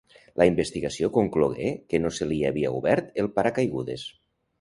La investigació conclogué que no se li havia obert el paracaigudes.